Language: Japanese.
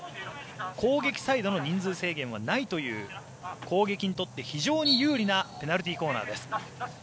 攻撃サイドの人数制限はないという攻撃にとって非常に有利なペナルティーコーナーです。